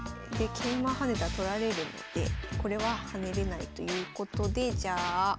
桂馬跳ねたら取られるのでこれは跳ねれないということでじゃあ